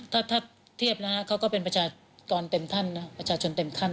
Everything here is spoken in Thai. ถ้าเทียบนะเขาก็เป็นประชาชนเต็มขั้น